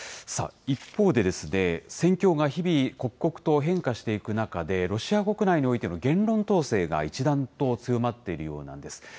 さあ、一方で、戦況が日々刻々と変化していく中で、ロシア国内においての言論統制が一段と強まっているようなんです。